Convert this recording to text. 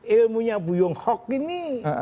ilmunya bu yonghok ini